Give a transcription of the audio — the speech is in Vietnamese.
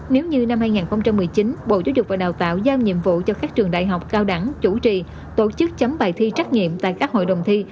nếu như năm hai nghìn một mươi chín bộ giáo dục và đào tạo giao nhiệm vụ cho các trường đại học cao đẳng chủ trì tổ chức chấm bài thi trắc nghiệm tại các hội đồng thi